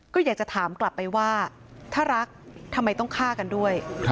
ก็อยากจะถามกลับไปว่าถ้ารักทำไมต้องฆ่ากันด้วย